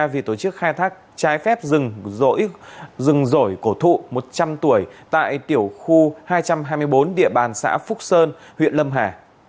vì tổ chức khai thác trái phép rừng rỗi rừng rổi cổ thụ một trăm linh tuổi tại tiểu khu hai trăm hai mươi bốn địa bàn xã phúc sơn huyện lâm hà